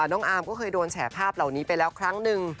น้องอาร์มก็เคยโดนแฉภาพเหล่านี้ไปแล้วครั้งหนึ่ง